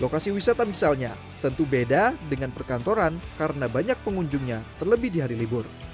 lokasi wisata misalnya tentu beda dengan perkantoran karena banyak pengunjungnya terlebih di hari libur